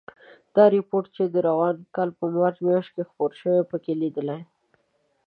دا رپوټ چې د روان کال په مارچ میاشت کې خپور شو، پکې لیدل